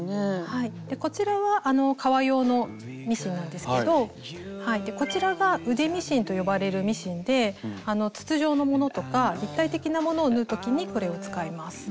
こちらは革用のミシンなんですけどこちらが「腕ミシン」と呼ばれるミシンで筒状のものとか立体的なものを縫う時にこれを使います。